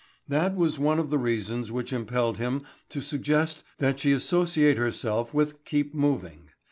That was one of the reasons which impelled him to suggest that she associate herself with "Keep Moving."